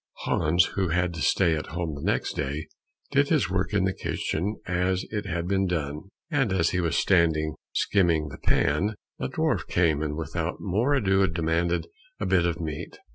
Hans, who had to stay at home the next day, did his work in the kitchen as it had to be done, and as he was standing skimming the pan, the dwarf came and without more ado demanded a bit of meat.